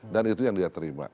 dan itu yang dia terima